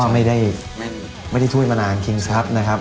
ไม่ได้ทุยมานานคิงส์ครับ